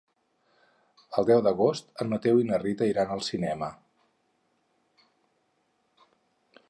El deu d'agost en Mateu i na Rita iran al cinema.